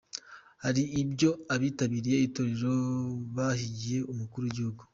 Hari ibyo abitabiriye itorero bahigiye Umukuru w’Igihugu.